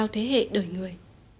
thế hệ đời người